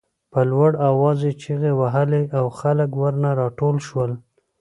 په لوړ آواز یې چغې وهلې او خلک ورنه راټول شول.